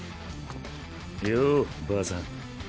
よぉばあさん。